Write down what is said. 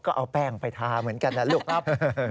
ก็เอาแป้งไปทาเหมือนกันนะลูกครับ